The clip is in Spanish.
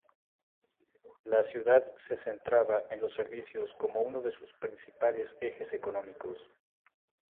La ciudad se centraba en los servicios como uno de sus principales ejes económicos.